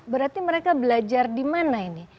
berarti mereka belajar di mana ini